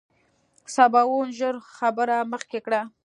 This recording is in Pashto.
سباوون ژر خبره مخکې کړه.